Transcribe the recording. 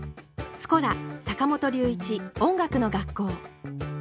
「スコラ坂本龍一音楽の学校」。